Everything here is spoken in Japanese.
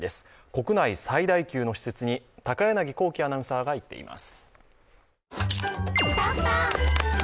国内最大級の施設に高柳光希アナウンサーが行っています。